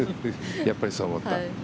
やっぱりそう思った。